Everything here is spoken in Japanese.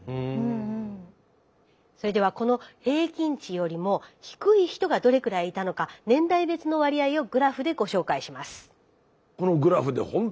それではこの平均値よりも低い人がどれくらいいたのか年代別の割合をグラフでご紹介します。